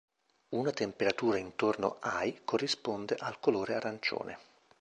Una temperatura intorno ai corrisponde al colore arancione.